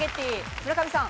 村上さん。